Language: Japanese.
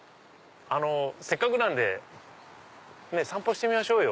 せっかくなんで散歩しましょうよ。